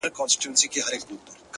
زه يې د ميني په چل څنگه پوه كړم؛